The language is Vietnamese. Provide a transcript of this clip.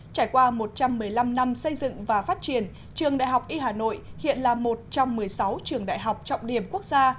trải qua một trăm một mươi năm năm xây dựng và phát triển trường đại học y hà nội hiện là một trong một mươi sáu trường đại học trọng điểm quốc gia